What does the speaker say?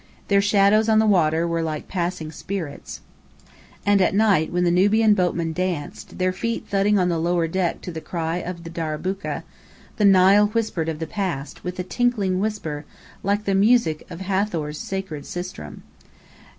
Their shadows on the water were like passing spirits; and at night when the Nubian boatmen danced, their feet thudding on the lower deck to the cry of the darabukah, the Nile whispered of the past, with a tinkling whisper, like the music of Hathor's sacred sistrum.